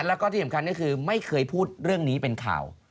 แล้วก็ที่สำคัญก็คือไม่เคยพูดเรื่องนี้เป็นข่าว